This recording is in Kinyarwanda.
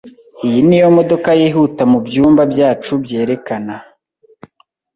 Iyi niyo modoka yihuta mubyumba byacu byerekana.